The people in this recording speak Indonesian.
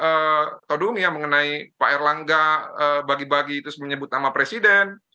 yang disampaikan pak todungi yang mengenai pak erlangga bagi bagi terus menyebut nama presiden